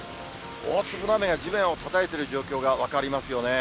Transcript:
大粒の雨が地面をたたいている状況が分かりますよね。